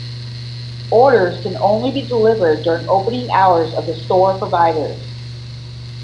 Orders can only be delivered during opening hours of the store providers.